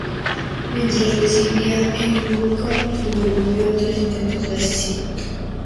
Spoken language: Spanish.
Mientras residía en Lucknow sobrevivió a tres intentos de asesinato.